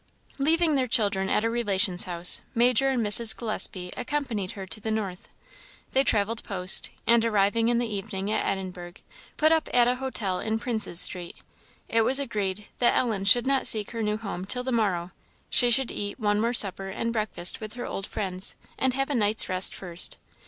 Leaving their children at a relation's house, Major and Mrs. Gillespie accompanied her to the north. They travelled post, and arriving in the evening at Edinburgh, put up at a hotel in Princes street. It was agreed that Ellen should not seek her new home till the morrow; she should eat one more supper and breakfast with her old friends, and have a night's rest first.